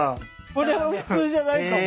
これは普通じゃないかも。